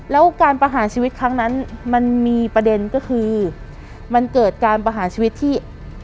แล้วการประหารชีวิตครั้งนั้นมันมีประเด็นก็คือมันเกิดการประหารชีวิตที่